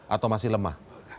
atau masih lemah